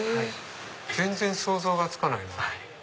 全然想像がつかないな。